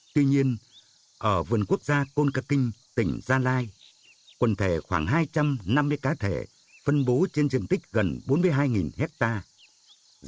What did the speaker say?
tuy nhiên ở vườn quốc gia côn cát kinh tỉnh gia lai quần thể khoảng hai trăm năm mươi cá thể phân bố trên diện tích gần bốn mươi hai hectare